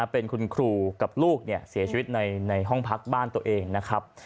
เป็นคุณครูกับลูกเสียชีวิตในห้องพักบ้านตัวเองนะครับ